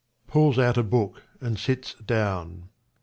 \_Pulls out a book, and sits down.